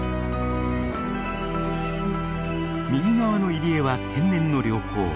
右側の入り江は天然の良港。